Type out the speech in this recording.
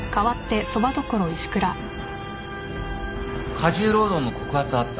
過重労働の告発はあった。